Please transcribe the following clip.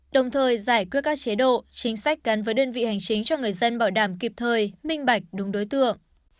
đồng thời giải quyết các chế độ chính sách gắn với đơn vị hành chính cho người dân bảo đảm kịp thời minh bạch đúng đối tượng